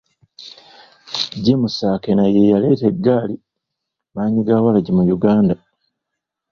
James Akena ye yaleeta egaali maanyigawalagi mu Uganda.